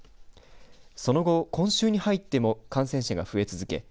その後今週に入っても感染者が増え続け